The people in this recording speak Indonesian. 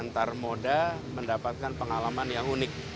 antar moda mendapatkan pengalaman yang unik